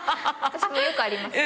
私もよくあります。